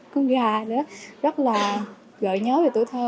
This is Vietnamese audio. con gà rất là gợi nhớ về tuổi thơ